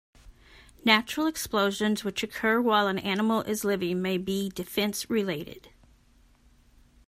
Natural explosions which occur while an animal is living may be defense-related.